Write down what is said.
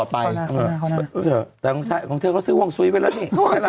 แต่ของเธอก็ซื้อฮ่องซุ้ยไปแล้วนี่